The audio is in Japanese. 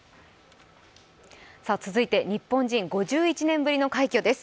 続いて日本人５１年ぶりの快挙です。